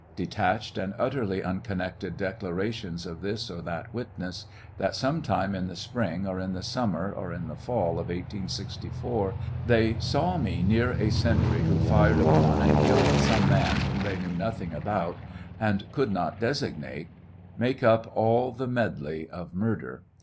Detached and utterly unconnected declarations of this or that witness, that some time in the spring, or in the sum mer, or in the fall of 1S64, they saw me near a sentry who fired upon and killed some man whom they knew nothing about, and could not designate, make up all the medley of murder.